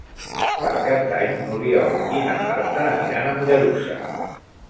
Per Cap d'Any n'Oriol i na Marta aniran a Mollerussa.